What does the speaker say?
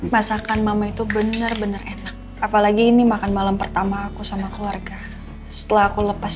masakan mama itu bener bener enak apalagi ini makan malam pertama aku sama keluarga setelah aku lepas